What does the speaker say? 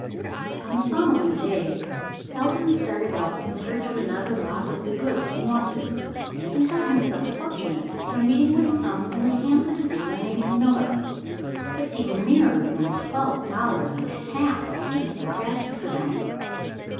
On the day following, Eldon started out in search of another lot of the goods he wanted, and thought himself fortunate in meeting with some in the hands of a dealer named Miller, but demurred when twelve dollars and a half a piece were asked for them.